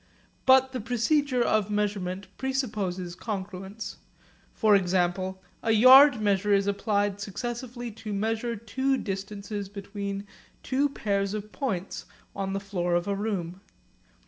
But the procedure of measurement presupposes congruence. For example, a yard measure is applied successively to measure two distances between two pairs of points on the floor of a room.